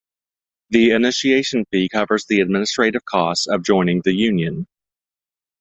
The initiation fee covers the administrative costs of joining the union.